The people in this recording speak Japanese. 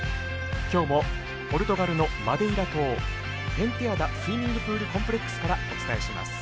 今日もポルトガルのマデイラ島ペンテアダスイミングプールコンプレックスからお伝えします。